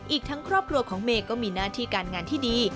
อีกทั้งครอบครัวของเมย์ก็มีหน้าที่การงานที่ดี